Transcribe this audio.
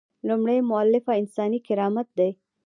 لومړۍ مولفه انساني کرامت دی.